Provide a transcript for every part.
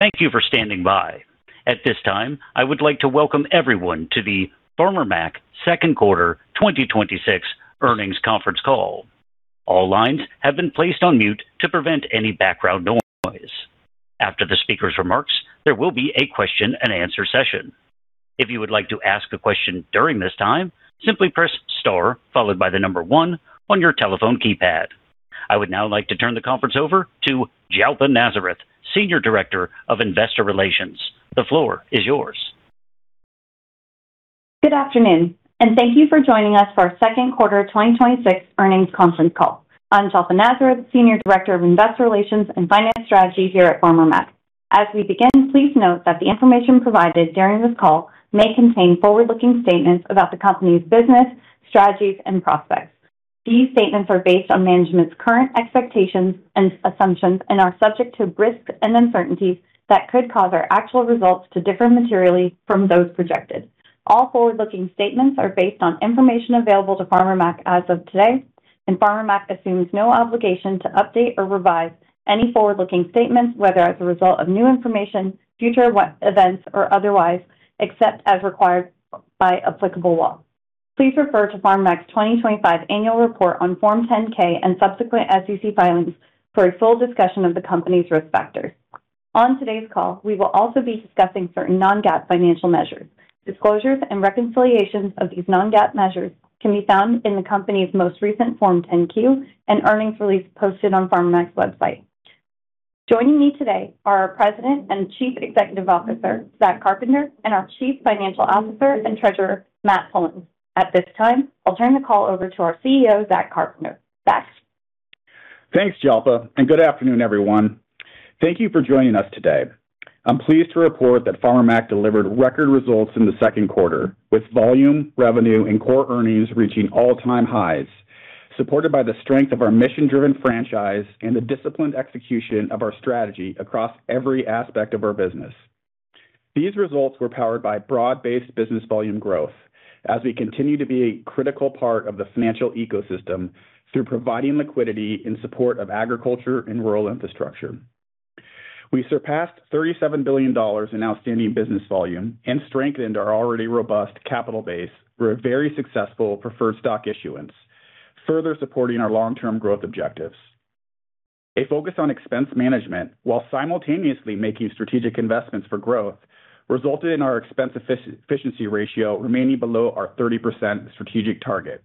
Thank you for standing by. At this time, I would like to welcome everyone to the Farmer Mac second quarter 2026 earnings conference call. All lines have been placed on mute to prevent any background noise. After the speaker's remarks, there will be a question and answer session. If you would like to ask a question during this time, simply press star followed by the number one on your telephone keypad. I would now like to turn the conference over to Jalpa Nazareth, Senior Director of Investor Relations. The floor is yours. Good afternoon. Thank you for joining us for our second quarter 2026 earnings conference call. I'm Jalpa Nazareth, Senior Director of Investor Relations and Finance Strategy here at Farmer Mac. As we begin, please note that the information provided during this call may contain forward-looking statements about the company's business, strategies, and prospects. These statements are based on management's current expectations and assumptions and are subject to risks and uncertainties that could cause our actual results to differ materially from those projected. All forward-looking statements are based on information available to Farmer Mac as of today. Farmer Mac assumes no obligation to update or revise any forward-looking statements, whether as a result of new information, future events, or otherwise, except as required by applicable law. Please refer to Farmer Mac's 2025 annual report on Form 10-K and subsequent SEC filings for a full discussion of the company's risk factors. On today's call, we will also be discussing certain non-GAAP financial measures. Disclosures and reconciliations of these non-GAAP measures can be found in the company's most recent Form 10-Q and earnings release posted on Farmer Mac's website. Joining me today are our President and Chief Executive Officer, Zack Carpenter, and our Chief Financial Officer and Treasurer, Matt Pullins. At this time, I'll turn the call over to our CEO, Zack Carpenter. Zack? Thanks, Jalpa. Good afternoon, everyone. Thank you for joining us today. I'm pleased to report that Farmer Mac delivered record results in the second quarter, with volume, revenue, and core earnings reaching all-time highs, supported by the strength of our mission-driven franchise and the disciplined execution of our strategy across every aspect of our business. These results were powered by broad-based business volume growth as we continue to be a critical part of the financial ecosystem through providing liquidity in support of agriculture and rural infrastructure. We surpassed $37 billion in outstanding business volume and strengthened our already robust capital base through a very successful preferred stock issuance, further supporting our long-term growth objectives. A focus on expense management while simultaneously making strategic investments for growth resulted in our operating efficiency ratio remaining below our 30% strategic target,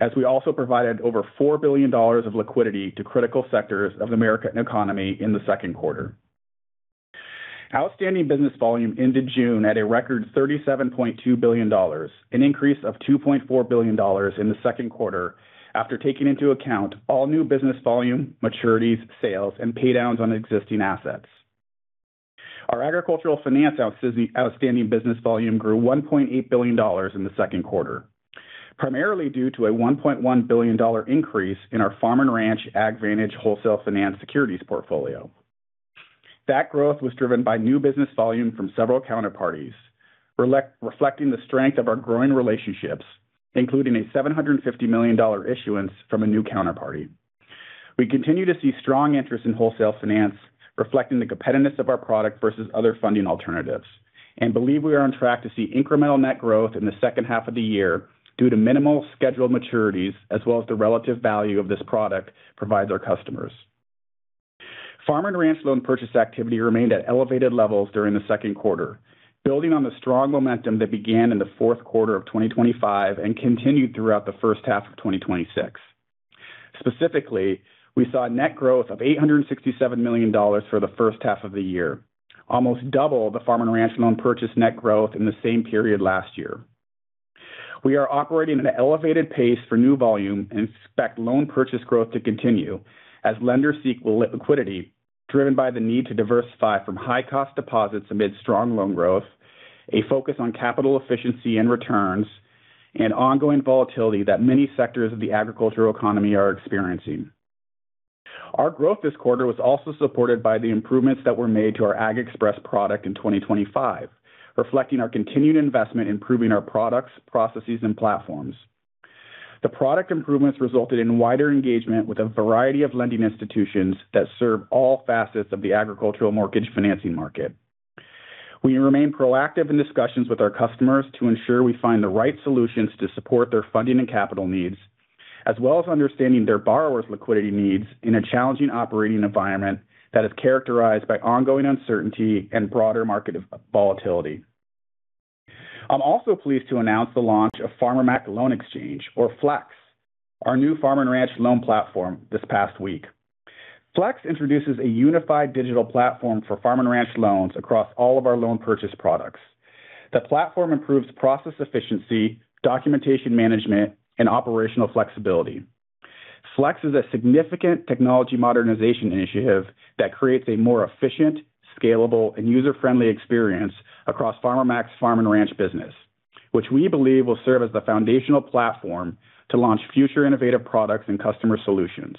as we also provided over $4 billion of liquidity to critical sectors of the American economy in the second quarter. Outstanding business volume ended June at a record $37.2 billion, an increase of $2.4 billion in the second quarter after taking into account all new business volume, maturities, sales, and paydowns on existing assets. Our agricultural finance outstanding business volume grew $1.8 billion in the second quarter, primarily due to a $1.1 billion increase in our Farm & Ranch AgVantage wholesale finance securities portfolio. That growth was driven by new business volume from several counterparties, reflecting the strength of our growing relationships, including a $750 million issuance from a new counterparty. We continue to see strong interest in wholesale finance, reflecting the competitiveness of our product versus other funding alternatives and believe we are on track to see incremental net growth in the second half of the year due to minimal scheduled maturities as well as the relative value of this product provides our customers. Farm & Ranch loan purchase activity remained at elevated levels during the second quarter, building on the strong momentum that began in the fourth quarter of 2025 and continued throughout the first half of 2026. Specifically, we saw net growth of $867 million for the first half of the year, almost double the Farm & Ranch loan purchase net growth in the same period last year. We are operating at an elevated pace for new volume and expect loan purchase growth to continue as lenders seek liquidity driven by the need to diversify from high-cost deposits amid strong loan growth, a focus on capital efficiency and returns, and ongoing volatility that many sectors of the agricultural economy are experiencing. Our growth this quarter was also supported by the improvements that were made to our AgXpress product in 2025, reflecting our continued investment in improving our products, processes, and platforms. The product improvements resulted in wider engagement with a variety of lending institutions that serve all facets of the agricultural mortgage financing market. We remain proactive in discussions with our customers to ensure we find the right solutions to support their funding and capital needs, as well as understanding their borrowers' liquidity needs in a challenging operating environment that is characterized by ongoing uncertainty and broader market volatility. I'm also pleased to announce the launch of Farmer Mac Loan Exchange, or FLX, our new Farm & Ranch loan platform, this past week. FLX introduces a unified digital platform for Farm & Ranch loans across all of our loan purchase products. The platform improves process efficiency, documentation management, and operational flexibility. FLX is a significant technology modernization initiative that creates a more efficient, scalable, and user-friendly experience across Farmer Mac's Farm & Ranch business, which we believe will serve as the foundational platform to launch future innovative products and customer solutions.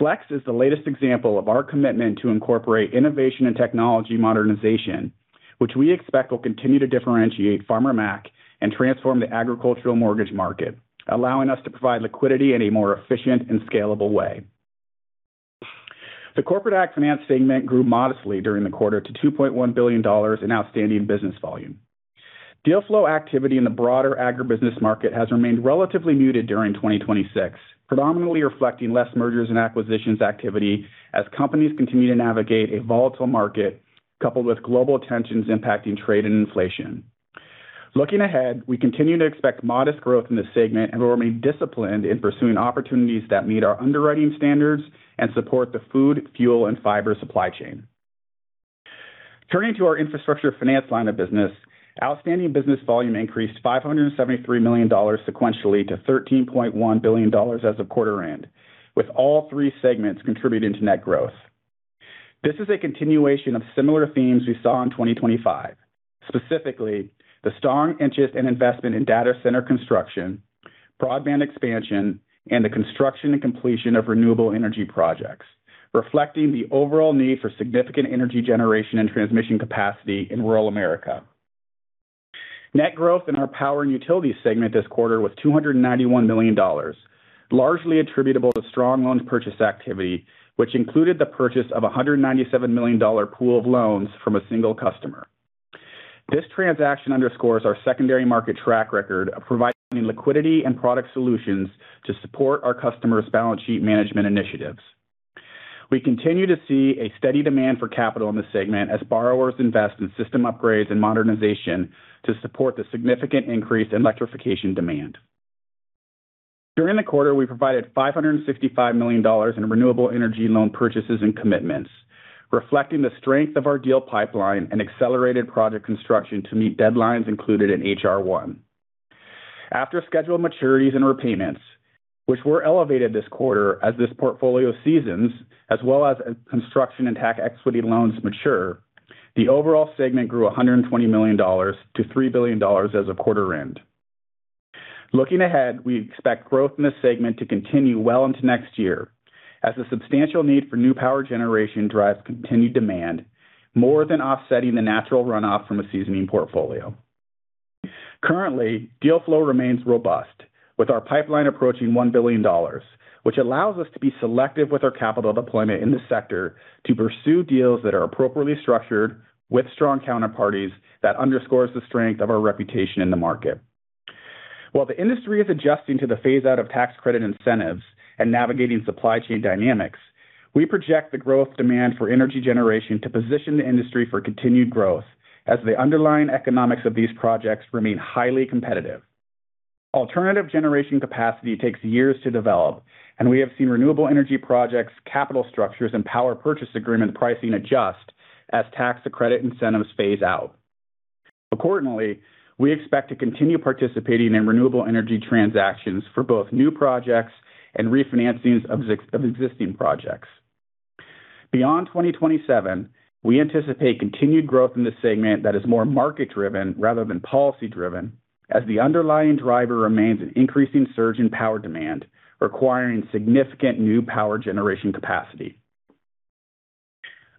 FLX is the latest example of our commitment to incorporate innovation and technology modernization, which we expect will continue to differentiate Farmer Mac and transform the agricultural mortgage market, allowing us to provide liquidity in a more efficient and scalable way. The Corporate AgFinance segment grew modestly during the quarter to $2.1 billion in outstanding business volume. Deal flow activity in the broader agribusiness market has remained relatively muted during 2026, predominantly reflecting less mergers and acquisitions activity as companies continue to navigate a volatile market coupled with global tensions impacting trade and inflation. Looking ahead, we continue to expect modest growth in this segment and will remain disciplined in pursuing opportunities that meet our underwriting standards and support the food, fuel, and fiber supply chain. Turning to our Infrastructure Finance line of business, outstanding business volume increased $573 million sequentially to $13.1 billion as of quarter end, with all three segments contributing to net growth. This is a continuation of similar themes we saw in 2025, specifically the strong interest and investment in data center construction, broadband expansion, and the construction and completion of Renewable Energy projects, reflecting the overall need for significant energy generation and transmission capacity in rural America. Net growth in our power and utility segment this quarter was $291 million, largely attributable to strong loan purchase activity, which included the purchase of $197 million pool of loans from a single customer. This transaction underscores our secondary market track record of providing liquidity and product solutions to support our customers' balance sheet management initiatives. We continue to see a steady demand for capital in this segment as borrowers invest in system upgrades and modernization to support the significant increase in electrification demand. During the quarter, we provided $565 million in Renewable Energy loan purchases and commitments, reflecting the strength of our deal pipeline and accelerated project construction to meet deadlines included in H.R. 1. After scheduled maturities and repayments, which were elevated this quarter as this portfolio seasons as well as construction and tax equity loans mature, the overall segment grew $120 million to $3 billion as of quarter end. Looking ahead, we expect growth in this segment to continue well into next year as the substantial need for new power generation drives continued demand, more than offsetting the natural runoff from a seasoning portfolio. Currently, deal flow remains robust, with our pipeline approaching $1 billion, which allows us to be selective with our capital deployment in this sector to pursue deals that are appropriately structured with strong counterparties that underscores the strength of our reputation in the market. While the industry is adjusting to the phaseout of tax credit incentives and navigating supply chain dynamics, we project the growth demand for energy generation to position the industry for continued growth as the underlying economics of these projects remain highly competitive. Alternative generation capacity takes years to develop, and we have seen Renewable Energy projects, capital structures, and power purchase agreement pricing adjust as tax credit incentives phase out. Accordingly, we expect to continue participating in Renewable Energy transactions for both new projects and refinancings of existing projects. Beyond 2027, we anticipate continued growth in this segment that is more market-driven rather than policy-driven, as the underlying driver remains an increasing surge in power demand, requiring significant new power generation capacity.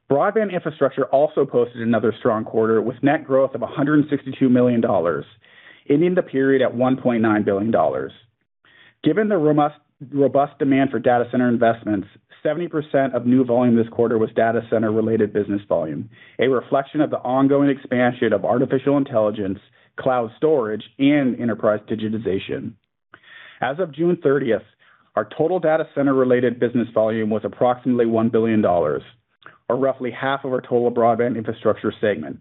Broadband Infrastructure also posted another strong quarter with net growth of $162 million, ending the period at $1.9 billion. Given the robust demand for data center investments, 70% of new volume this quarter was data center-related business volume, a reflection of the ongoing expansion of artificial intelligence, cloud storage, and enterprise digitization. As of June 30th, our total data center-related business volume was approximately $1 billion, or roughly half of our total Broadband Infrastructure segment.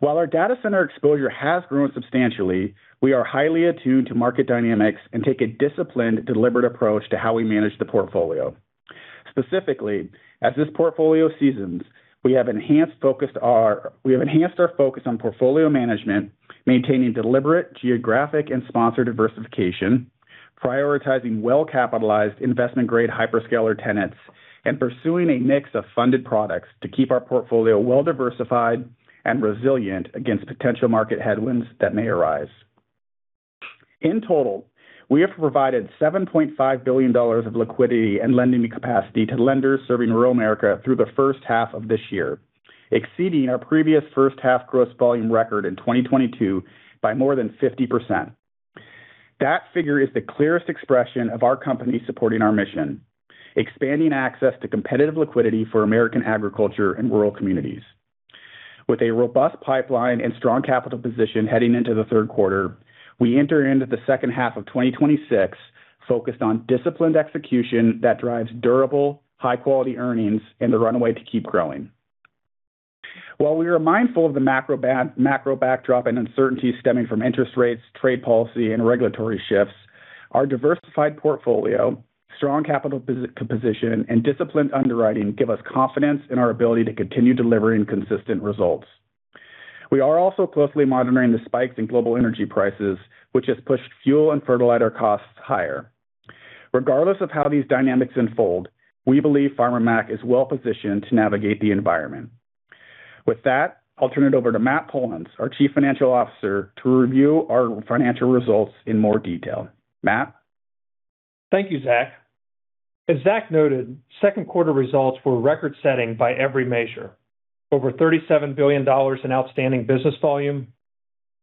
While our data center exposure has grown substantially, we are highly attuned to market dynamics and take a disciplined, deliberate approach to how we manage the portfolio. Specifically, as this portfolio seasons, we have enhanced our focus on portfolio management, maintaining deliberate geographic and sponsor diversification, prioritizing well-capitalized investment-grade hyperscaler tenants, and pursuing a mix of funded products to keep our portfolio well-diversified and resilient against potential market headwinds that may arise. In total, we have provided $7.5 billion of liquidity and lending capacity to lenders serving rural America through the first half of this year, exceeding our previous first-half gross volume record in 2022 by more than 50%. That figure is the clearest expression of our company supporting our mission, expanding access to competitive liquidity for American agriculture and rural communities. With a robust pipeline and strong capital position heading into the third quarter, we enter into the second half of 2026 focused on disciplined execution that drives durable, high-quality earnings and the runway to keep growing. While we are mindful of the macro backdrop and uncertainty stemming from interest rates, trade policy, and regulatory shifts, our diversified portfolio, strong capital position, and disciplined underwriting give us confidence in our ability to continue delivering consistent results. We are also closely monitoring the spikes in global energy prices, which has pushed fuel and fertilizer costs higher. Regardless of how these dynamics unfold, we believe Farmer Mac is well-positioned to navigate the environment. With that, I'll turn it over to Matt Pullins, our Chief Financial Officer, to review our financial results in more detail. Matt? Thank you, Zack. As Zack noted, second quarter results were record-setting by every measure. Over $37 billion in outstanding business volume,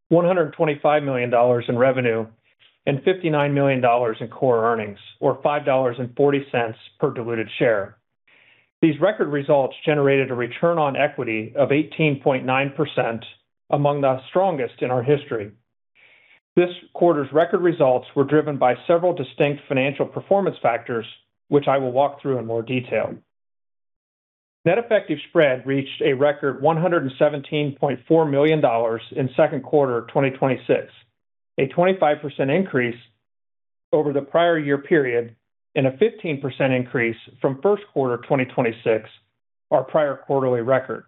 $125 million in revenue, and $59 million in core earnings, or $5.40 per diluted share. These record results generated a return on equity of 18.9%, among the strongest in our history. This quarter's record results were driven by several distinct financial performance factors, which I will walk through in more detail. net effective spread reached a record $117.4 million in second quarter 2026, a 25% increase over the prior year period, and a 15% increase from first quarter 2026, our prior quarterly record.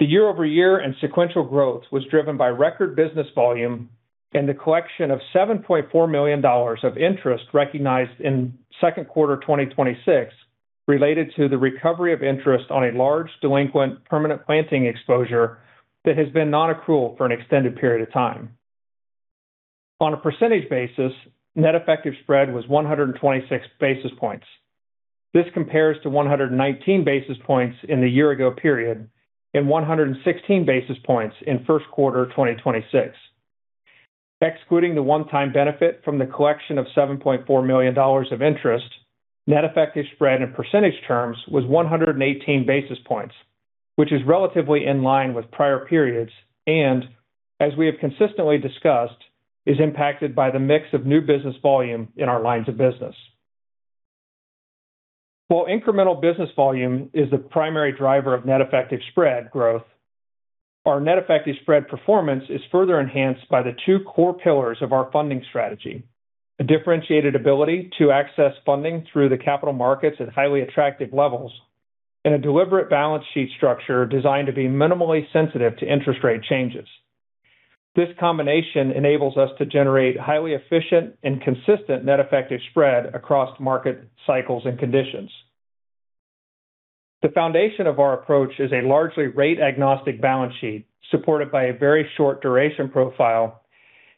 The year-over-year and sequential growth was driven by record business volume and the collection of $7.4 million of interest recognized in second quarter 2026 related to the recovery of interest on a large delinquent permanent planting exposure that has been non-accrual for an extended period of time. On a percentage basis, net effective spread was 126 basis points. This compares to 119 basis points in the year-ago period and 116 basis points in first quarter 2026. Excluding the one-time benefit from the collection of $7.4 million of interest, net effective spread in percentage terms was 118 basis points, which is relatively in line with prior periods, and as we have consistently discussed, is impacted by the mix of new business volume in our lines of business. While incremental business volume is the primary driver of net effective spread growth, our net effective spread performance is further enhanced by the two core pillars of our funding strategy, a differentiated ability to access funding through the capital markets at highly attractive levels and a deliberate balance sheet structure designed to be minimally sensitive to interest rate changes. This combination enables us to generate highly efficient and consistent net effective spread across market cycles and conditions. The foundation of our approach is a largely rate-agnostic balance sheet supported by a very short duration profile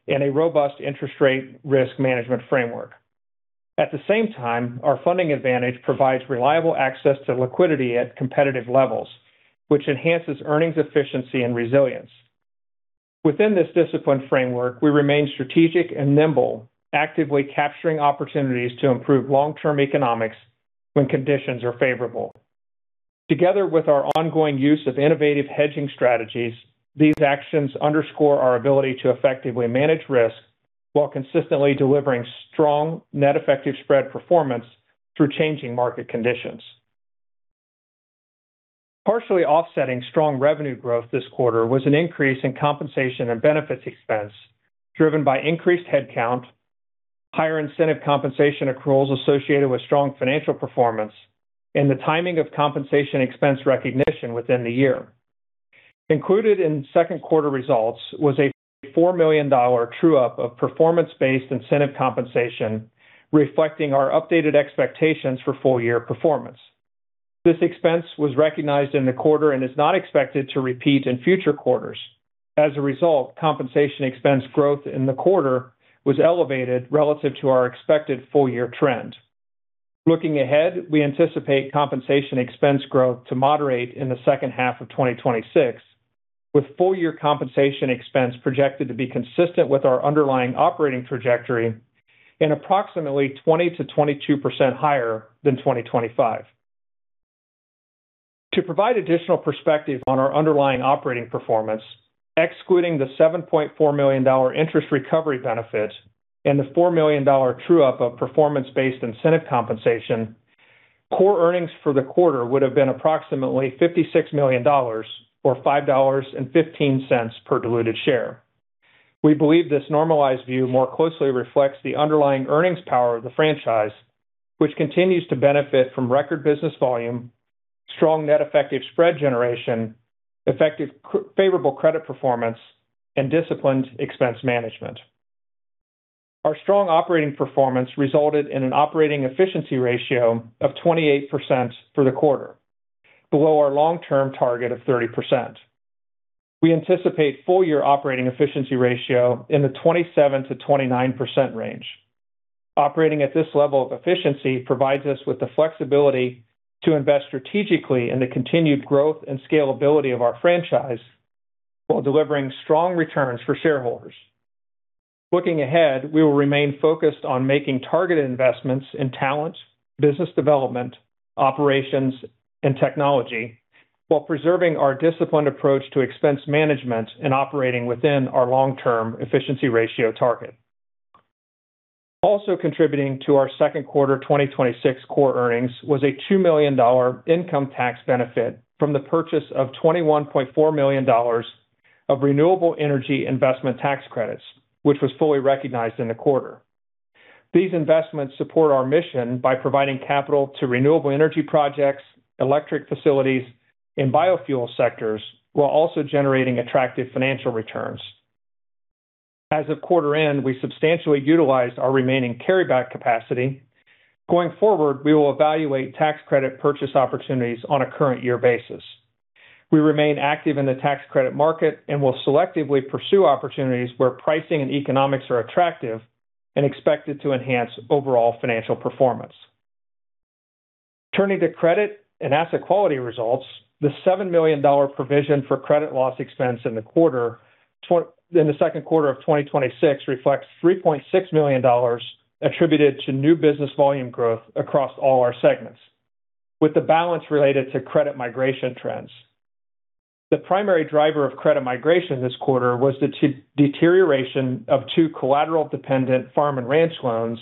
and a robust interest rate risk management framework. At the same time, our funding advantage provides reliable access to liquidity at competitive levels, which enhances earnings efficiency and resilience. Within this discipline framework, we remain strategic and nimble, actively capturing opportunities to improve long-term economics when conditions are favorable. Together with our ongoing use of innovative hedging strategies, these actions underscore our ability to effectively manage risk while consistently delivering strong net effective spread performance through changing market conditions. Partially offsetting strong revenue growth this quarter was an increase in compensation and benefits expense driven by increased headcount, higher incentive compensation accruals associated with strong financial performance, and the timing of compensation expense recognition within the year. Included in second quarter results was a $4 million true-up of performance-based incentive compensation reflecting our updated expectations for full-year performance. This expense was recognized in the quarter and is not expected to repeat in future quarters. As a result, compensation expense growth in the quarter was elevated relative to our expected full-year trend. Looking ahead, we anticipate compensation expense growth to moderate in the second half of 2026, with full-year compensation expense projected to be consistent with our underlying operating trajectory and approximately 20%-22% higher than 2025. To provide additional perspective on our underlying operating performance, excluding the $7.4 million interest recovery benefit and the $4 million true-up of performance-based incentive compensation, core earnings for the quarter would have been approximately $56 million, or $5.15 per diluted share. We believe this normalized view more closely reflects the underlying earnings power of the franchise, which continues to benefit from record business volume, strong net effective spread generation, effective favorable credit performance, and disciplined expense management. Our strong operating performance resulted in an operating efficiency ratio of 28% for the quarter, below our long-term target of 30%. We anticipate full-year operating efficiency ratio in the 27%-29% range. Operating at this level of efficiency provides us with the flexibility to invest strategically in the continued growth and scalability of our franchise while delivering strong returns for shareholders. Looking ahead, we will remain focused on making targeted investments in talent, business development, operations, and technology while preserving our disciplined approach to expense management and operating within our long-term efficiency ratio target. Also contributing to our second quarter 2026 core earnings was a $2 million income tax benefit from the purchase of $21.4 million of Renewable Energy investment tax credits, which was fully recognized in the quarter. These investments support our mission by providing capital to Renewable Energy projects, electric facilities, and biofuel sectors while also generating attractive financial returns. As of quarter end, we substantially utilized our remaining carryback capacity. Going forward, we will evaluate tax credit purchase opportunities on a current year basis. We remain active in the tax credit market and will selectively pursue opportunities where pricing and economics are attractive and expected to enhance overall financial performance. Turning to credit and asset quality results, the $7 million provision for credit loss expense in the second quarter of 2026 reflects $3.6 million attributed to new business volume growth across all our segments, with the balance related to credit migration trends. The primary driver of credit migration this quarter was the deterioration of two collateral-dependent Farm & Ranch loans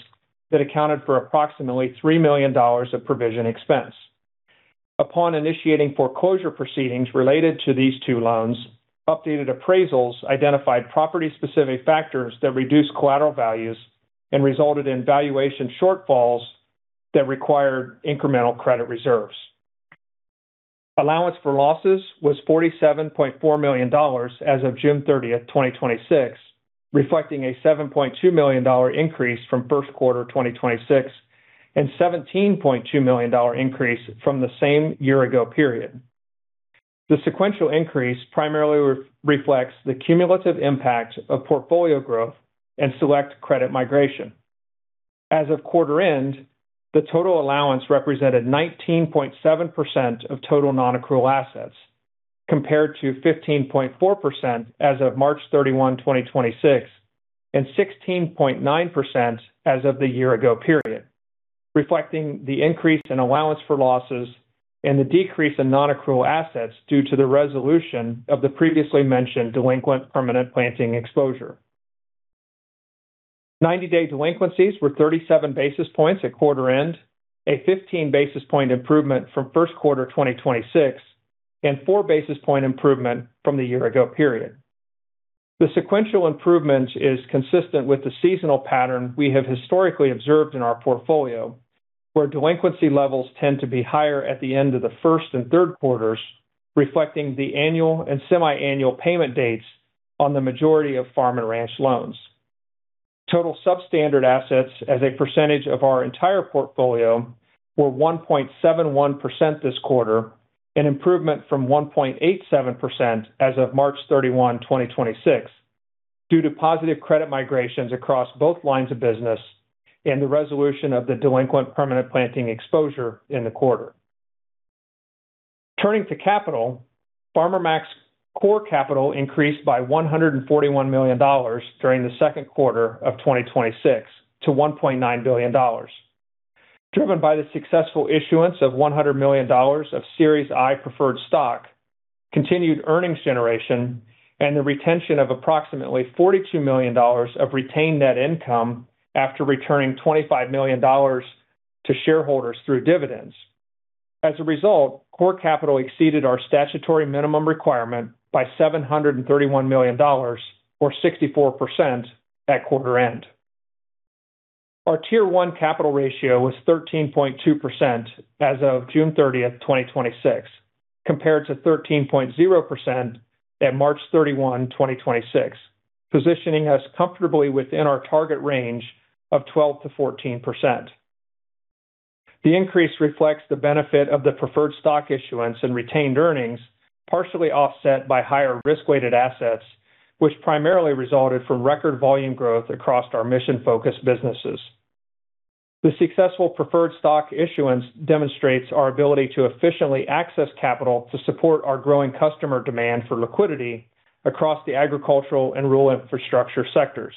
that accounted for approximately $3 million of provision expense. Upon initiating foreclosure proceedings related to these two loans, updated appraisals identified property-specific factors that reduced collateral values and resulted in valuation shortfalls that required incremental credit reserves. Allowance for losses was $47.4 million as of June 30th, 2026, reflecting a $7.2 million increase from first quarter 2026 and $17.2 million increase from the same year-ago period. The sequential increase primarily reflects the cumulative impact of portfolio growth and select credit migration. As of quarter end, the total allowance represented 19.7% of total nonaccrual assets, compared to 15.4% as of March 31, 2026, and 16.9% as of the year-ago period, reflecting the increase in allowance for losses and the decrease in nonaccrual assets due to the resolution of the previously mentioned delinquent permanent planting exposure. 90-day delinquencies were 37 basis points at quarter end, a 15 basis point improvement from first quarter 2026, and four basis point improvement from the year-ago period. The sequential improvement is consistent with the seasonal pattern we have historically observed in our portfolio, where delinquency levels tend to be higher at the end of the first and third quarters, reflecting the annual and semiannual payment dates on the majority of Farm & Ranch loans. Total substandard assets as a percentage of our entire portfolio were 1.71% this quarter, an improvement from 1.87% as of March 31, 2026, due to positive credit migrations across both lines of business and the resolution of the delinquent permanent planting exposure in the quarter. Turning to capital, Farmer Mac's core capital increased by $141 million during the second quarter of 2026 to $1.9 billion, driven by the successful issuance of $100 million of Series I preferred stock, continued earnings generation, and the retention of approximately $42 million of retained net income after returning $25 million to shareholders through dividends. As a result, core capital exceeded our statutory minimum requirement by $731 million, or 64%, at quarter end. Our Tier 1 capital ratio was 13.2% as of June 30th, 2026, compared to 13.0% at March 31, 2026, positioning us comfortably within our target range of 12%-14%. The increase reflects the benefit of the preferred stock issuance and retained earnings, partially offset by higher risk-weighted assets, which primarily resulted from record volume growth across our mission-focused businesses. The successful preferred stock issuance demonstrates our ability to efficiently access capital to support our growing customer demand for liquidity across the agricultural and rural infrastructure sectors.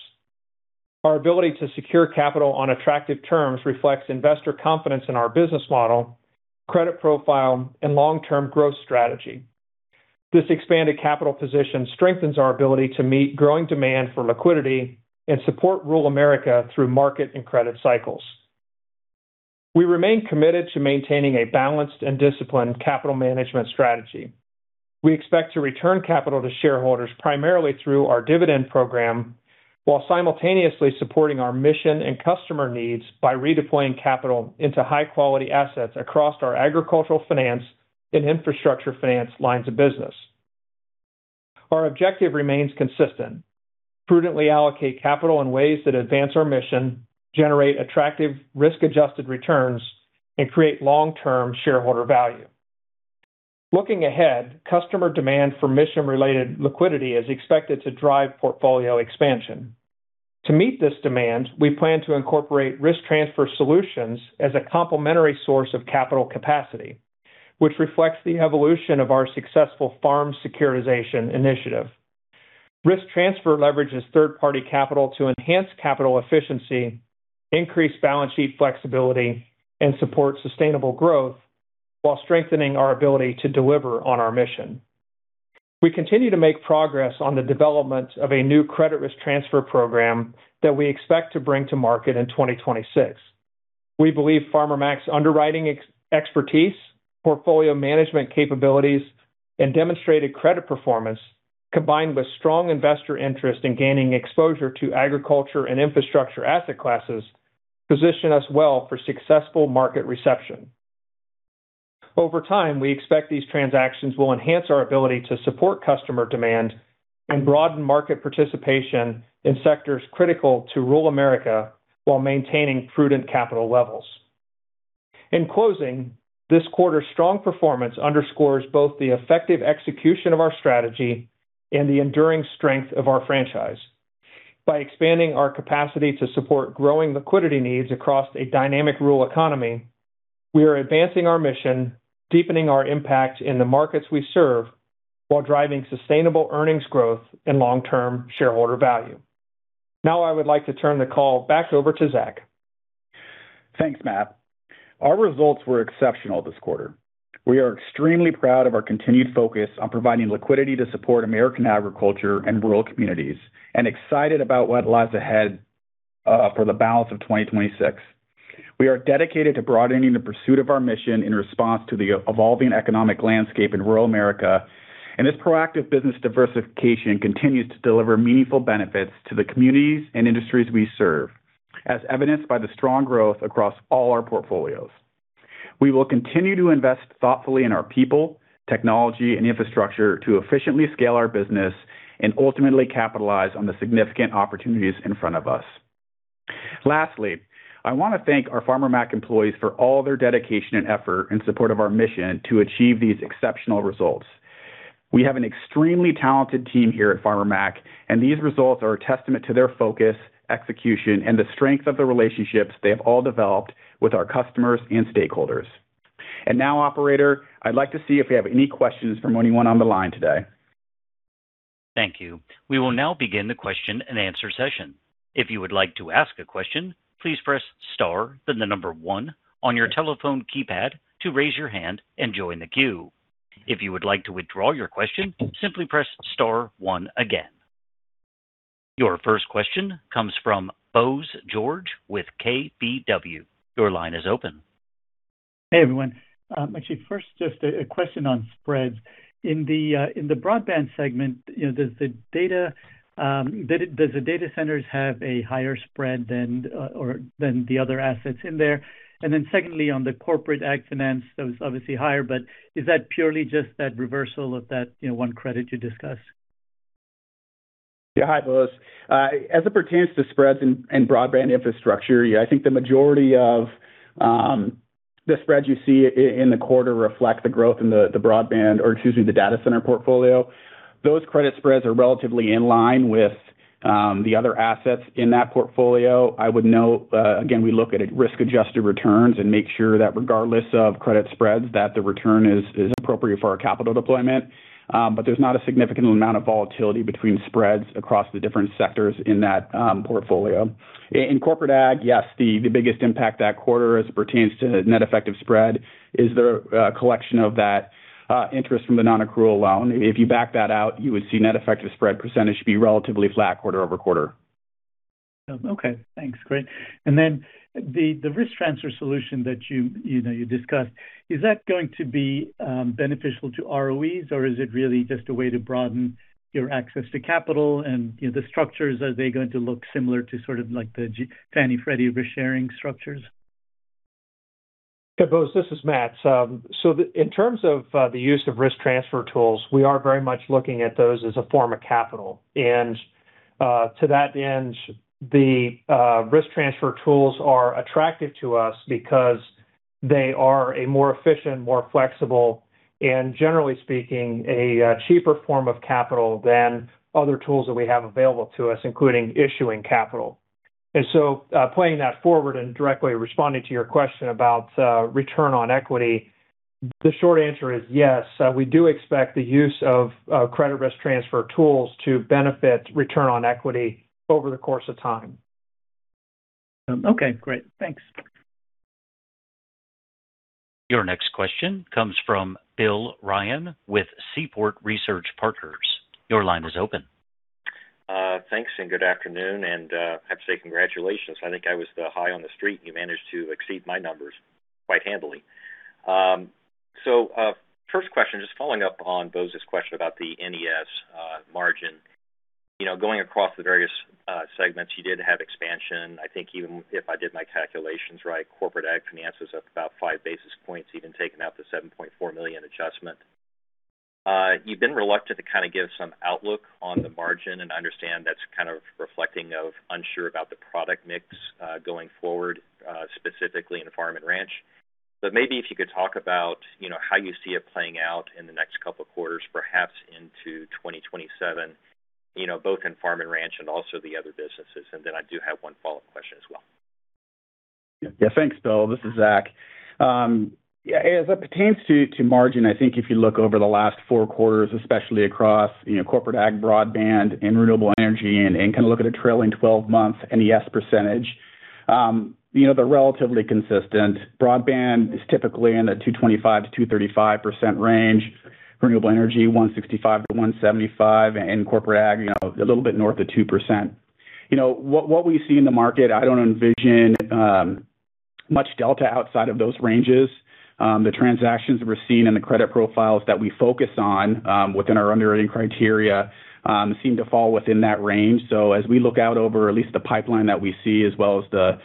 Our ability to secure capital on attractive terms reflects investor confidence in our business model, credit profile, and long-term growth strategy. This expanded capital position strengthens our ability to meet growing demand for liquidity and support rural America through market and credit cycles. We remain committed to maintaining a balanced and disciplined capital management strategy. We expect to return capital to shareholders primarily through our dividend program, while simultaneously supporting our mission and customer needs by redeploying capital into high-quality assets across our agricultural finance and Infrastructure Finance lines of business. Our objective remains consistent: prudently allocate capital in ways that advance our mission, generate attractive risk-adjusted returns, and create long-term shareholder value. Looking ahead, customer demand for mission-related liquidity is expected to drive portfolio expansion. To meet this demand, we plan to incorporate risk transfer solutions as a complementary source of capital capacity, which reflects the evolution of our successful farm securitization initiative. Risk transfer leverages third-party capital to enhance capital efficiency, increase balance sheet flexibility, and support sustainable growth while strengthening our ability to deliver on our mission. We continue to make progress on the development of a new credit risk transfer program that we expect to bring to market in 2026. We believe Farmer Mac's underwriting expertise, portfolio management capabilities, and demonstrated credit performance, combined with strong investor interest in gaining exposure to agriculture and infrastructure asset classes, position us well for successful market reception. Over time, we expect these transactions will enhance our ability to support customer demand and broaden market participation in sectors critical to rural America while maintaining prudent capital levels. In closing, this quarter's strong performance underscores both the effective execution of our strategy and the enduring strength of our franchise. By expanding our capacity to support growing liquidity needs across a dynamic rural economy, we are advancing our mission, deepening our impact in the markets we serve, while driving sustainable earnings growth and long-term shareholder value. I would like to turn the call back over to Zack. Thanks, Matt. Our results were exceptional this quarter. We are extremely proud of our continued focus on providing liquidity to support American agriculture and rural communities, and excited about what lies ahead for the balance of 2026. We are dedicated to broadening the pursuit of our mission in response to the evolving economic landscape in rural America, and this proactive business diversification continues to deliver meaningful benefits to the communities and industries we serve, as evidenced by the strong growth across all our portfolios. We will continue to invest thoughtfully in our people, technology, and infrastructure to efficiently scale our business and ultimately capitalize on the significant opportunities in front of us. Lastly, I want to thank our Farmer Mac employees for all their dedication and effort in support of our mission to achieve these exceptional results. We have an extremely talented team here at Farmer Mac, and these results are a testament to their focus, execution, and the strength of the relationships they have all developed with our customers and stakeholders. Now, operator, I'd like to see if we have any questions from anyone on the line today. Thank you. We will now begin the question and answer session. If you would like to ask a question, please press star then the number one on your telephone keypad to raise your hand and join the queue. If you would like to withdraw your question, simply press star one again. Your first question comes from Bose George with KBW. Your line is open. Hey, everyone. Actually, first, just a question on spreads. In the broadband segment, does the data centers have a higher spread than the other assets in there? Secondly, on the Corporate AgFinance, that was obviously higher, but is that purely just that reversal of that one credit you discussed? Hi, Bose. As it pertains to spreads in Broadband Infrastructure, I think the majority of the spreads you see in the quarter reflect the growth in the broadband, or excuse me, the data center portfolio. Those credit spreads are relatively in line with the other assets in that portfolio. I would note, again, we look at risk-adjusted returns and make sure that regardless of credit spreads, that the return is appropriate for our capital deployment. There's not a significant amount of volatility between spreads across the different sectors in that portfolio. In Corporate AgFinance, yes, the biggest impact that quarter as it pertains to net effective spread is the collection of that interest from the non-accrual loan. If you back that out, you would see net effective spread percentage be relatively flat quarter-over-quarter. Okay, thanks. Great. The risk transfer solution that you discussed, is that going to be beneficial to ROEs, or is it really just a way to broaden your access to capital? The structures, are they going to look similar to sort of the Fannie Freddie risk-sharing structures? Bose, this is Matt. In terms of the use of risk transfer tools, we are very much looking at those as a form of capital. To that end, the risk transfer tools are attractive to us because they are a more efficient, more flexible, and generally speaking, a cheaper form of capital than other tools that we have available to us, including issuing capital. Playing that forward and directly responding to your question about return on equity, the short answer is yes, we do expect the use of credit risk transfer tools to benefit return on equity over the course of time. Okay, great. Thanks. Your next question comes from Bill Ryan with Seaport Research Partners. Your line is open. Thanks, good afternoon. I have to say congratulations. I think I was the high on the Street, and you managed to exceed my numbers quite handily. First question, just following up on Bose's question about the NES margin. Going across the various segments, you did have expansion. I think even if I did my calculations right, Corporate AgFinance is up about five basis points, even taking out the $7.4 million adjustment. You've been reluctant to kind of give some outlook on the margin, and I understand that's kind of reflecting of unsure about the product mix going forward, specifically in Farm & Ranch. Maybe if you could talk about how you see it playing out in the next couple of quarters, perhaps into 2027, both in Farm & Ranch and also the other businesses. Then I do have one follow-up question as well. Thanks, Bill. This is Zack. As it pertains to margin, I think if you look over the last four quarters, especially across Corporate AgFinance, Broadband, and Renewable Energy and kind of look at a trailing 12 months NES percentage, they're relatively consistent. Broadband is typically in the 225%-235% range. Renewable Energy, 165%-175%, and Corporate AgFinance a little bit north of 2%. What we see in the market, I don't envision much delta outside of those ranges. The transactions that we're seeing and the credit profiles that we focus on within our underwriting criteria seem to fall within that range. As we look out over at least the pipeline that we see as well as the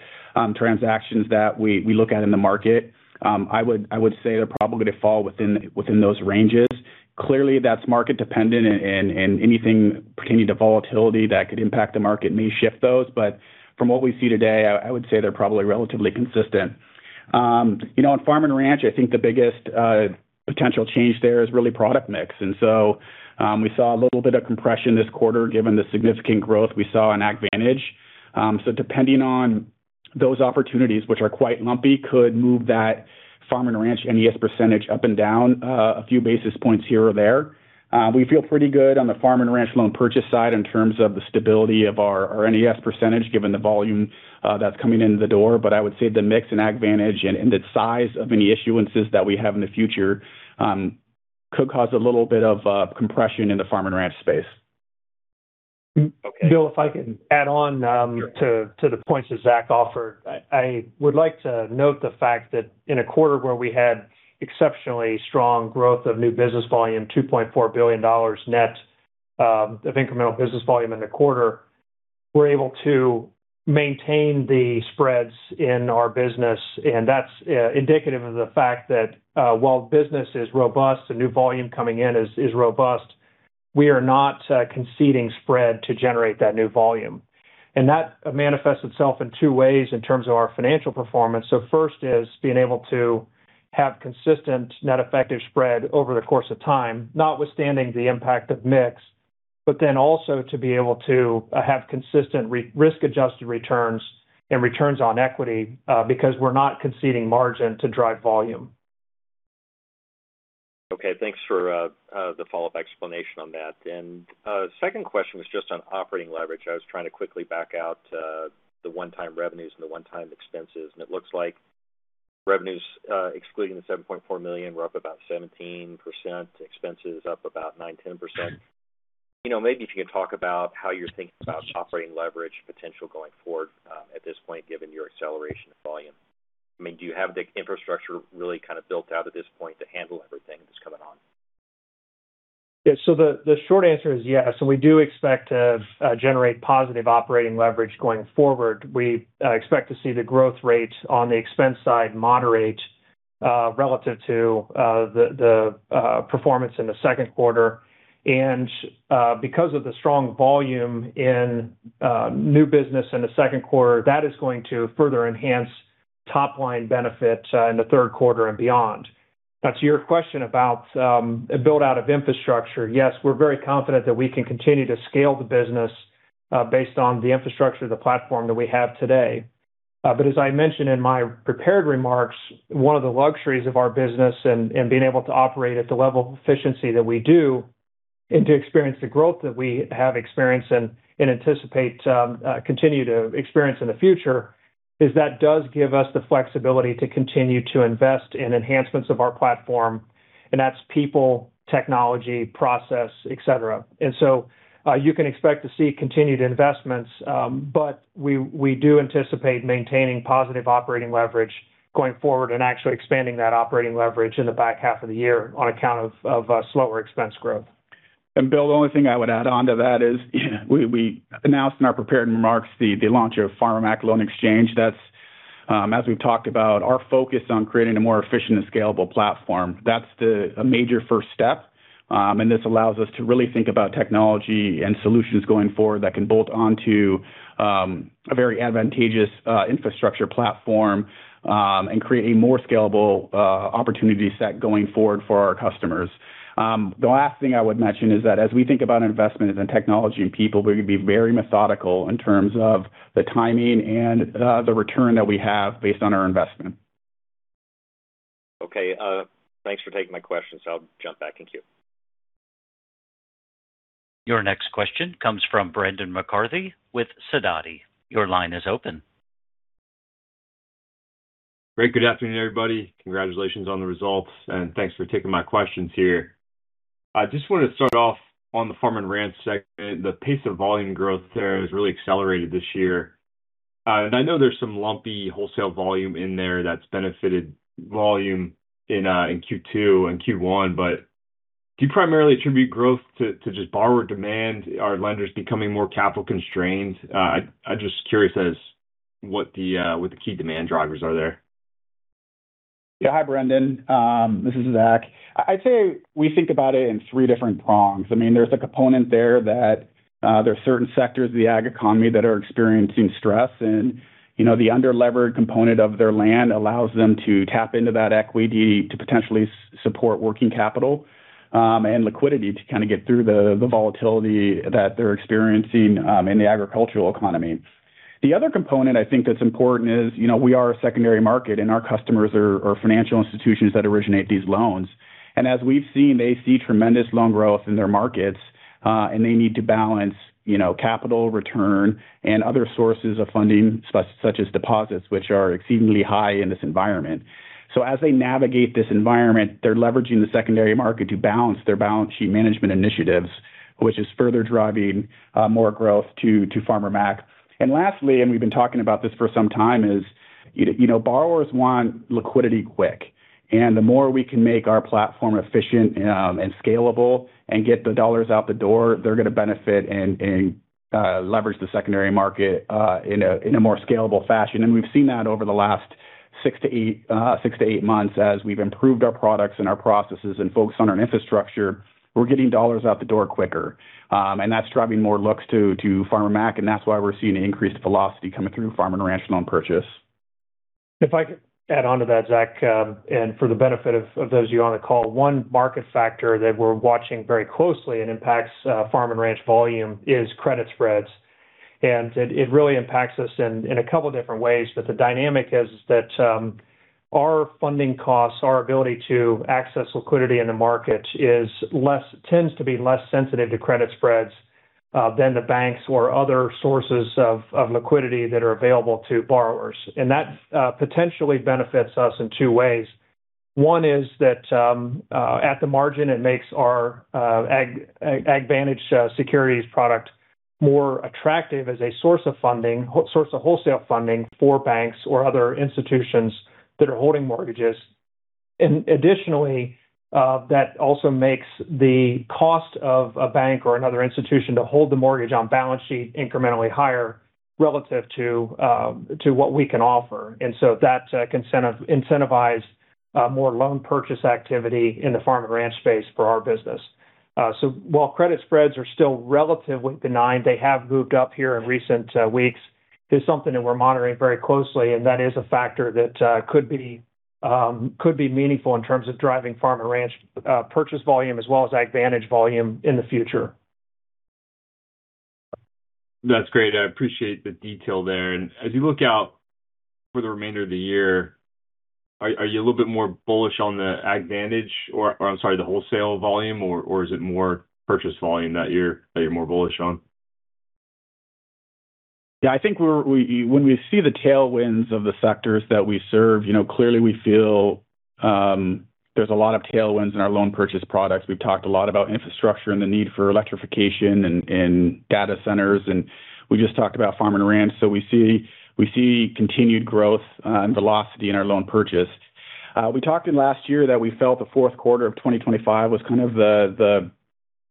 transactions that we look at in the market, I would say they're probably going to fall within those ranges. Clearly, that's market dependent and anything pertaining to volatility that could impact the market may shift those. From what we see today, I would say they're probably relatively consistent. On Farm & Ranch, I think the biggest potential change there is really product mix. We saw a little bit of compression this quarter, given the significant growth we saw in AgVantage. Depending on those opportunities, which are quite lumpy, could move that Farm & Ranch NES percentage up and down a few basis points here or there. We feel pretty good on the Farm & Ranch loan purchase side in terms of the stability of our NES percentage, given the volume that's coming into the door. I would say the mix in AgVantage and the size of any issuances that we have in the future could cause a little bit of compression in the Farm & Ranch space. Okay. Bill, if I can add on- Sure. To the points that Zack offered. I would like to note the fact that in a quarter where we had exceptionally strong growth of new business volume, $2.4 billion net of incremental business volume in the quarter, we are able to maintain the spreads in our business. That is indicative of the fact that while business is robust and new volume coming in is robust, we are not conceding spread to generate that new volume. That manifests itself in two ways in terms of our financial performance. First is being able to have consistent net effective spread over the course of time, notwithstanding the impact of mix, also to be able to have consistent risk-adjusted returns and returns on equity because we are not conceding margin to drive volume. Okay. Thanks for the follow-up explanation on that. Second question was just on operating leverage. I was trying to quickly back out the one-time revenues and the one-time expenses, it looks like revenues, excluding the $7.4 million, were up about 17%, expenses up about 9%-10%. Maybe if you could talk about how you are thinking about operating leverage potential going forward at this point, given your acceleration of volume. Do you have the infrastructure really built out at this point to handle everything that is coming on? Yeah. The short answer is yes. We do expect to generate positive operating leverage going forward. We expect to see the growth rate on the expense side moderate relative to the performance in the second quarter. Because of the strong volume in new business in the second quarter, that is going to further enhance top-line benefit in the third quarter and beyond. To your question about build-out of infrastructure, yes, we're very confident that we can continue to scale the business based on the infrastructure of the platform that we have today. As I mentioned in my prepared remarks, one of the luxuries of our business and being able to operate at the level of efficiency that we do, and to experience the growth that we have experienced and anticipate to continue to experience in the future, is that does give us the flexibility to continue to invest in enhancements of our platform. That's people, technology, process, et cetera. You can expect to see continued investments. We do anticipate maintaining positive operating leverage going forward and actually expanding that operating leverage in the back half of the year on account of slower expense growth. Bill, the only thing I would add on to that is we announced in our prepared remarks the launch of Farmer Mac Loan Exchange. That's, as we've talked about, our focus on creating a more efficient and scalable platform. That's the major first step. This allows us to really think about technology and solutions going forward that can bolt onto a very advantageous infrastructure platform, and create a more scalable opportunity set going forward for our customers. The last thing I would mention is that as we think about investment in technology and people, we're going to be very methodical in terms of the timing and the return that we have based on our investment. Okay. Thanks for taking my questions. I'll jump back. Thank you. Your next question comes from Brendan McCarthy with Sidoti. Your line is open. Great. Good afternoon, everybody. Congratulations on the results, and thanks for taking my questions here. I just wanted to start off on the Farm & Ranch segment. The pace of volume growth there has really accelerated this year. I know there's some lumpy wholesale volume in there that's benefited volume in Q2 and Q1, do you primarily attribute growth to just borrower demand? Are lenders becoming more capital constrained? I'm just curious as what the key demand drivers are there. Yeah. Hi, Brendan. This is Zack. I'd say we think about it in three different prongs. There's a component there that there are certain sectors of the ag economy that are experiencing stress, and the under-levered component of their land allows them to tap into that equity to potentially support working capital and liquidity to kind of get through the volatility that they're experiencing in the agricultural economy. The other component I think that's important is, we are a secondary market, and our customers are financial institutions that originate these loans. As we've seen, they see tremendous loan growth in their markets, and they need to balance capital return and other sources of funding, such as deposits, which are exceedingly high in this environment. As they navigate this environment, they're leveraging the secondary market to balance their balance sheet management initiatives, which is further driving more growth to Farmer Mac. Lastly, and we've been talking about this for some time, is borrowers want liquidity quick. The more we can make our platform efficient and scalable and get the dollars out the door, they're going to benefit and leverage the secondary market in a more scalable fashion. We've seen that over the last six to eight months as we've improved our products and our processes and focused on our infrastructure. We're getting dollars out the door quicker, and that's driving more looks to Farmer Mac, and that's why we're seeing an increased velocity coming through Farm & Ranch loan purchase. If I could add onto that, Zack, for the benefit of those of you on the call, one market factor that we're watching very closely and impacts Farm & Ranch volume is credit spreads. It really impacts us in a couple different ways. The dynamic is that our funding costs, our ability to access liquidity in the market tends to be less sensitive to credit spreads than the banks or other sources of liquidity that are available to borrowers. That potentially benefits us in two ways. One is that at the margin, it makes our AgVantage securities product more attractive as a source of wholesale funding for banks or other institutions that are holding mortgages. Additionally, that also makes the cost of a bank or another institution to hold the mortgage on balance sheet incrementally higher relative to what we can offer. That can incentivize more loan purchase activity in the Farm & Ranch space for our business. While credit spreads are still relatively benign, they have moved up here in recent weeks, is something that we're monitoring very closely, and that is a factor that could be meaningful in terms of driving Farm & Ranch purchase volume as well as AgVantage volume in the future. That's great. I appreciate the detail there. As you look out for the remainder of the year, are you a little bit more bullish on the AgVantage, or I'm sorry, the wholesale volume? Or is it more purchase volume that you're more bullish on? Yeah, I think when we see the tailwinds of the sectors that we serve, clearly we feel there's a lot of tailwinds in our loan purchase products. We've talked a lot about infrastructure and the need for electrification and data centers, and we just talked about Farm & Ranch. We see continued growth and velocity in our loan purchase. We talked in last year that we felt the fourth quarter of 2025 was kind of the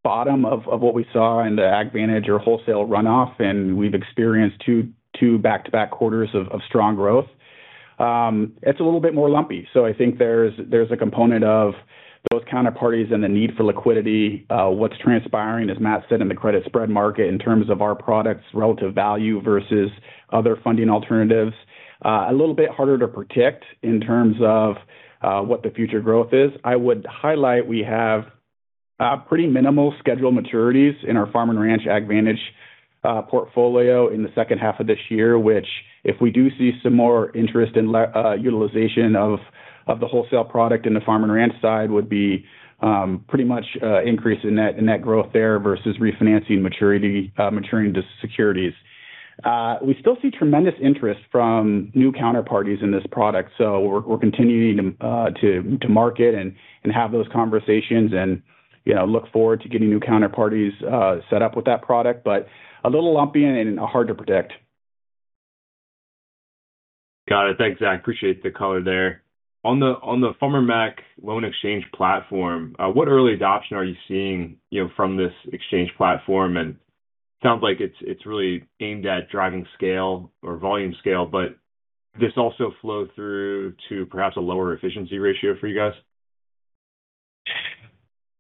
bottom of what we saw in the AgVantage or wholesale runoff, and we've experienced two back-to-back quarters of strong growth. It's a little bit more lumpy. I think there's a component of both counterparties and the need for liquidity. What's transpiring, as Matt said, in the credit spread market in terms of our product's relative value versus other funding alternatives. A little bit harder to predict in terms of what the future growth is. I would highlight, we have pretty minimal scheduled maturities in our Farm & Ranch AgVantage portfolio in the second half of this year, which, if we do see some more interest in utilization of the wholesale product in the Farm & Ranch side, would be pretty much an increase in net growth there versus refinancing maturing securities. We still see tremendous interest from new counterparties in this product, so we're continuing to market and have those conversations and look forward to getting new counterparties set up with that product. A little lumpy and hard to predict. Got it. Thanks, Zack. Appreciate the color there. On the Farmer Mac Loan Exchange platform, what early adoption are you seeing from this exchange platform? It sounds like it's really aimed at driving scale or volume scale, does this also flow through to perhaps a lower efficiency ratio for you guys?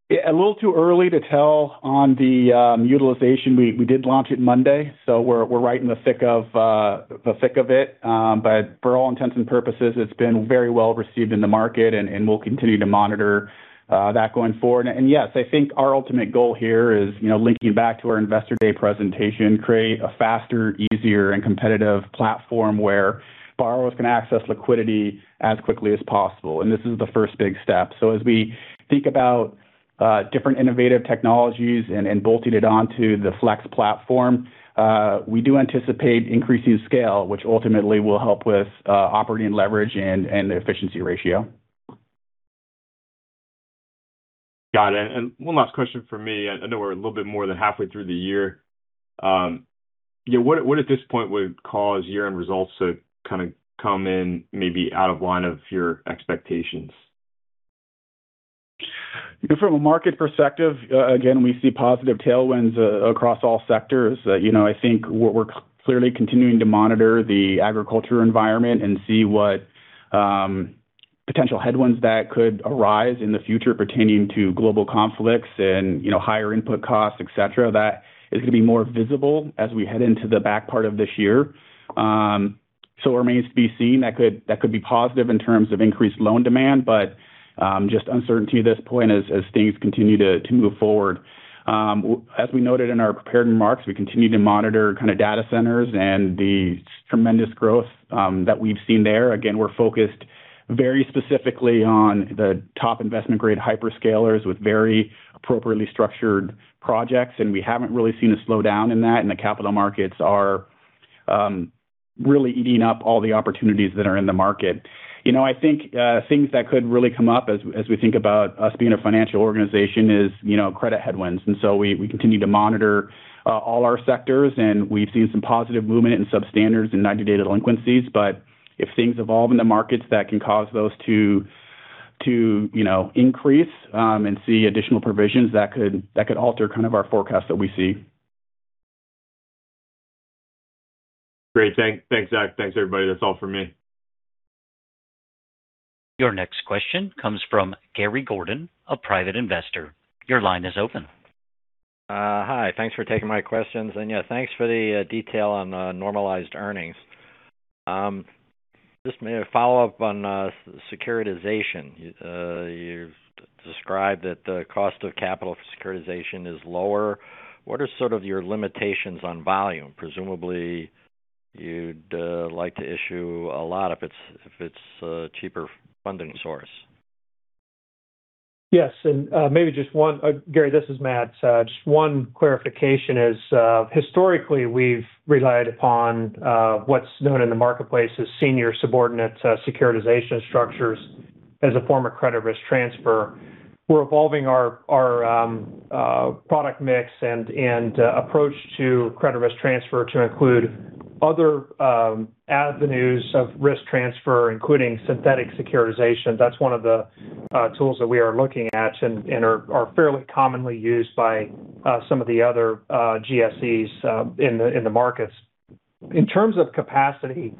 Yeah. A little too early to tell on the utilization. We did launch it Monday, we're right in the thick of it. For all intents and purposes, it's been very well received in the market we'll continue to monitor that going forward. Yes, I think our ultimate goal here is linking back to our Investor Day presentation. Create a faster, easier, and competitive platform where borrowers can access liquidity as quickly as possible. This is the first big step. As we think about different innovative technologies and bolting it onto the FLX platform, we do anticipate increasing scale, which ultimately will help with operating leverage and efficiency ratio. Got it. One last question from me. I know we're a little bit more than halfway through the year. What at this point would cause year-end results to kind of come in maybe out of line of your expectations? From a market perspective, again, we see positive tailwinds across all sectors. I think we're clearly continuing to monitor the agriculture environment and see what potential headwinds that could arise in the future pertaining to global conflicts and higher input costs, et cetera. That is going to be more visible as we head into the back part of this year. It remains to be seen. That could be positive in terms of increased loan demand. Just uncertainty at this point as things continue to move forward. As we noted in our prepared remarks, we continue to monitor kind of data centers and the tremendous growth that we've seen there. Again, we're focused very specifically on the top investment-grade hyperscalers with very appropriately structured projects, and we haven't really seen a slowdown in that. The capital markets are really eating up all the opportunities that are in the market. I think things that could really come up as we think about us being a financial organization is credit headwinds. We continue to monitor all our sectors, and we've seen some positive movement in substandards and 90-day delinquencies. If things evolve in the markets that can cause those to increase and see additional provisions, that could alter kind of our forecast that we see. Great. Thanks, Zack. Thanks, everybody. That's all for me. Your next question comes from Gary Gordon, a private investor. Your line is open. Hi. Thanks for taking my questions. Yeah, thanks for the detail on normalized earnings. Just maybe a follow-up on securitization. You've described that the cost of capital for securitization is lower. What are sort of your limitations on volume? Presumably, you'd like to issue a lot if it's a cheaper funding source. Yes. Gary, this is Matt. Just one clarification is, historically, we've relied upon what's known in the marketplace as senior subordinate securitization structures as a form of credit risk transfer. We're evolving our product mix and approach to credit risk transfer to include other avenues of risk transfer, including synthetic securitization. That's one of the tools that we are looking at and are fairly commonly used by some of the other GSEs in the markets. In terms of capacity,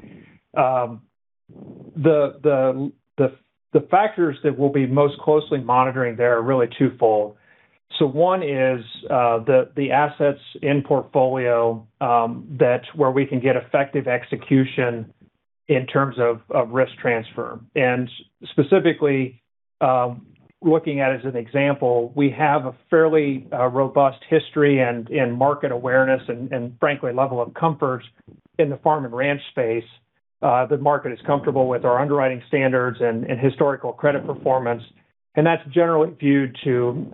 the factors that we'll be most closely monitoring there are really twofold. One is the assets in portfolio that where we can get effective execution in terms of credit risk transfer. Specifically, looking at, as an example, we have a fairly robust history and market awareness and frankly, level of comfort in the Farm & Ranch space. The market is comfortable with our underwriting standards and historical credit performance, that's generally viewed to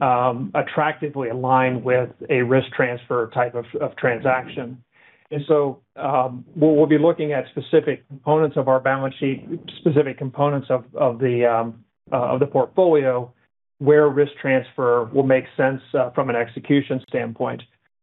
attractively align with a risk transfer type of transaction. We'll be looking at specific components of our balance sheet, specific components of the portfolio where risk transfer will make sense from an execution standpoint.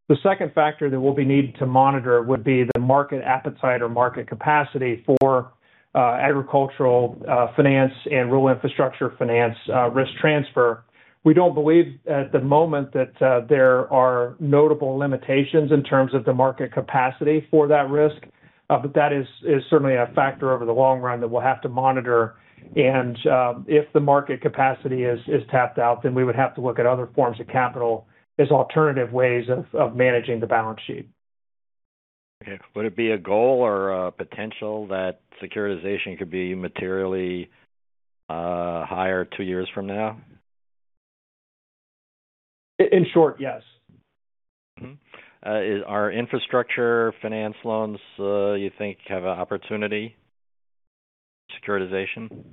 The second factor that we'll be needing to monitor would be the market appetite or market capacity for agricultural finance and rural Infrastructure Finance risk transfer. We don't believe at the moment that there are notable limitations in terms of the market capacity for that risk. That is certainly a factor over the long run that we'll have to monitor. If the market capacity is tapped out, we would have to look at other forms of capital as alternative ways of managing the balance sheet. Okay. Would it be a goal or a potential that securitization could be materially higher two years from now? In short, yes. Are Infrastructure Finance loans, you think, have an opportunity, securitization?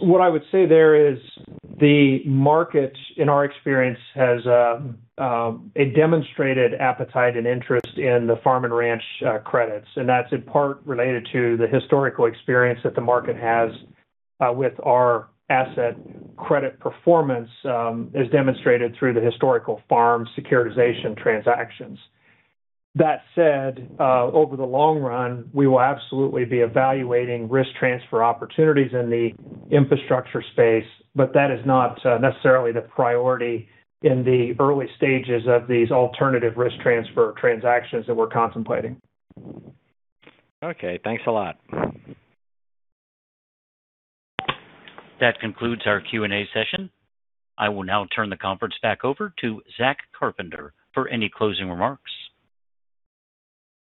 What I would say there is the market, in our experience, has a demonstrated appetite and interest in the Farm & Ranch credits, and that's in part related to the historical experience that the market has with our asset credit performance, as demonstrated through the historical farm securitization transactions. That said, over the long run, we will absolutely be evaluating risk transfer opportunities in the infrastructure space, but that is not necessarily the priority in the early stages of these alternative risk transfer transactions that we're contemplating. Okay. Thanks a lot. That concludes our Q and A session. I will now turn the conference back over to Zack Carpenter for any closing remarks.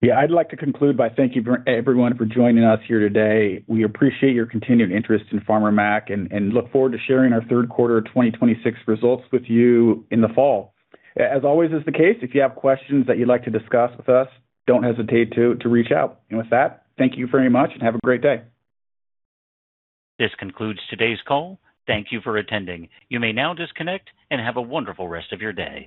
I'd like to conclude by thanking everyone for joining us here today. We appreciate your continued interest in Farmer Mac and look forward to sharing our third quarter of 2026 results with you in the fall. As always is the case, if you have questions that you'd like to discuss with us, don't hesitate to reach out. With that, thank you very much and have a great day. This concludes today's call. Thank you for attending. You may now disconnect and have a wonderful rest of your day.